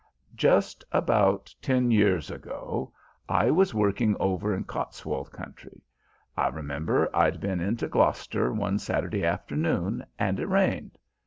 "Just about ten years ago I was working over in Cotswold country. I remember I'd been into Gloucester one Saturday afternoon and it rained.